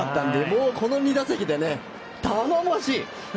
もう、この２打席で頼もしい！